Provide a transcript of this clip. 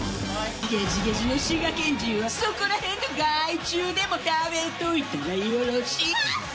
ゲジゲジの滋賀県人はそこら辺の害虫でも食べといたらよろしい！